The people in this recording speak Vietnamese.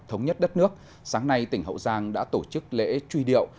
thống nhất đất nước sáng nay tỉnh hậu giang đã tổ chức lễ truy điệu